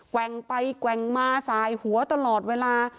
แว่งไปแกว่งมาสายหัวตลอดเวลา